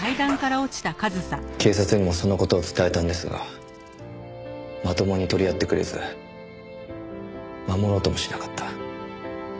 警察にもその事を伝えたんですがまともに取り合ってくれず守ろうともしなかった。